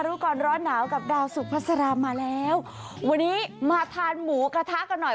รู้ก่อนร้อนหนาวกับดาวสุภาษามาแล้ววันนี้มาทานหมูกระทะกันหน่อย